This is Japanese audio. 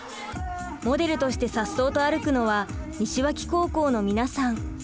モデルとしてさっそうと歩くのは西脇高校の皆さん。